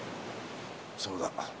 そうだ。